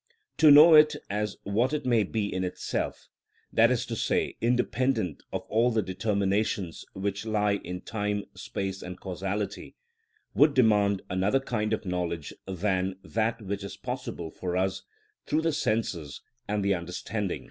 To know it as what it may be in itself, that is to say, independent of all the determinations which lie in time, space, and causality, would demand another kind of knowledge than that which is possible for us through the senses and the understanding."